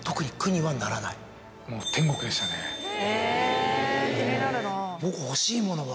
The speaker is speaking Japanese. へぇ気になるな。